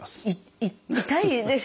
い痛いです。